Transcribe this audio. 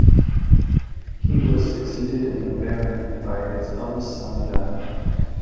He was succeeded in the barony by his eldest son Johnny.